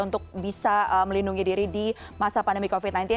untuk bisa melindungi diri di masa pandemi covid sembilan belas